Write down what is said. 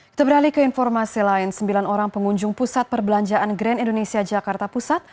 kita beralih ke informasi lain sembilan orang pengunjung pusat perbelanjaan grand indonesia jakarta pusat